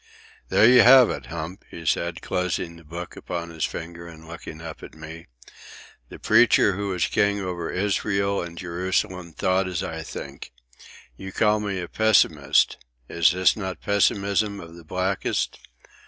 "There you have it, Hump," he said, closing the book upon his finger and looking up at me. "The Preacher who was king over Israel in Jerusalem thought as I think. You call me a pessimist. Is not this pessimism of the blackest?